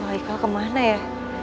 wah haikal kemana ya